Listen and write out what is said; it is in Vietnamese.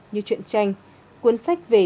như truyện tranh cuốn sách về